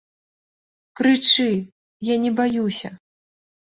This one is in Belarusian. Крычы, я не баюся.